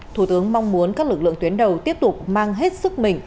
thủ tướng mong muốn các lực lượng tuyến đầu tiếp tục mang hết sức mình